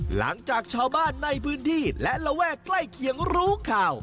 หลังจากชาวบ้านในพื้นที่และระแวกใกล้เคียงรู้ข่าว